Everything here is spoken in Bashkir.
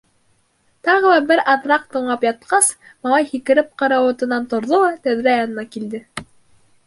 Тағы ла бер аҙыраҡ тыңлап ятҡас, малай һикереп карауатынан торҙо ла тәҙрә янына килде.